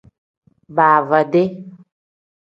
Baavundi.